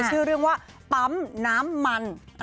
ชื่อเรื่องว่าปั๊มน้ำมัน